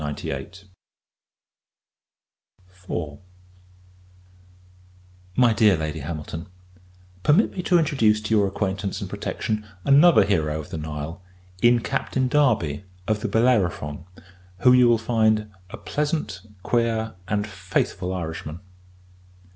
MY DEAR LADY HAMILTON, Permit me to introduce to your acquaintance and protection another hero of the Nile, in Captain Darby, of the Bellerophon; who you will find a pleasant, queer, and faithful Irishman.